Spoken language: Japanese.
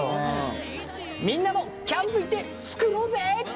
みんなもキャンプ行って作ろうぜ！